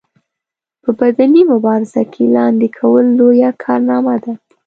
په بدني مبارزه کې لاندې کول لويه کارنامه نه ده.